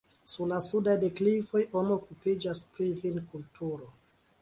Sur la sudaj deklivoj oni okupiĝas pri vinkulturo.